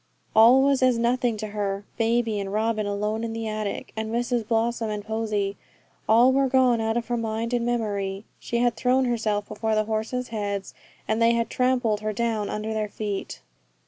All was as nothing to her baby and Robin alone in the attic, and Mrs Blossom and Posy all were gone out of her mind and memory. She had thrown herself before the horses' heads, and they had trampled her down under their feet.